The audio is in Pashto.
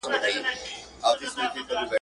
o د پاسه مسله راغله، په درست جهان خوره راغله.